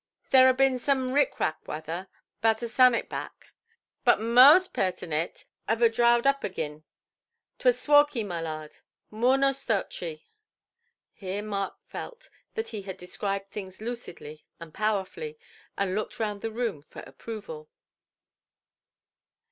"Thar a bin zome rick–rack wather, 'bout a sannit back. But most peart on it ave a droud up agin. 'Twur starky, my lard, moor nor stoachy". Here Mark felt that he had described things lucidly and powerfully, and looked round the room for approval.